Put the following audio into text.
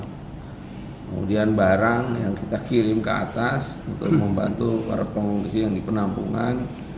kemudian barang yang kita kirim ke atas untuk membantu para pengungsi yang di penampungan